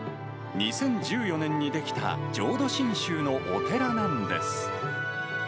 ２０１４年に出来た浄土真宗のお寺なんです。